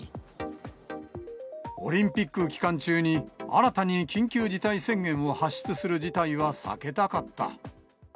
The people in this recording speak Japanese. オリンピック期間中に、新たに緊急事態宣言を発出する事態は避けたかった。